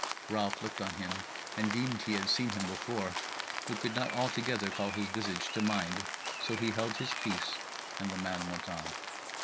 Ralph looked on him and deemed he had seen him before, but could not altogether call his visage to mind; so he held his peace and the man went on.